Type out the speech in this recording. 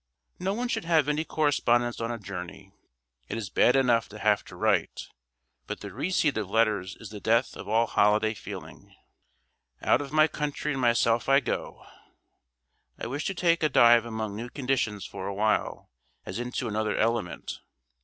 No one should have any correspondence on a journey; it is bad enough to have to write; but the receipt of letters is the death of all holiday feeling. 'Out of my country and myself I go.' I wish to take a dive among new conditions for a while, as into another element.